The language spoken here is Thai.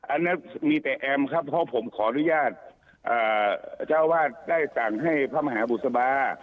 อันนั้นมีแต่แอมครับเพราะผมขออนุญาตเจ้าวาดได้สั่งให้พระมหาบุษบา